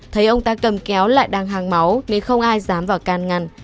thấy ông ta cầm kéo lại đang hàng máu nên không ai dám vào can ngăn